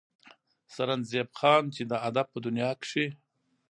سرنزېب خان چې د ادب پۀ دنيا کښې